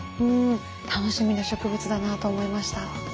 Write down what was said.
楽しみな植物だなと思いました。